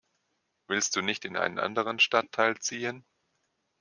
Willst du nicht in einen anderen Stadtteil ziehen?